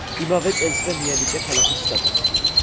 იმავე წელსვე მიენიჭა ქალაქის სტატუსი.